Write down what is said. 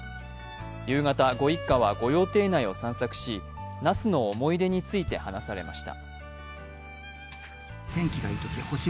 夕方、ご一家は、御用邸内を散策し、那須の思い出について話されました。